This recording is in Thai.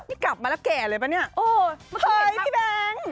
นี่กลับมาแล้วแก่เลยปะเนี่ยโอ้ยพี่แบงค์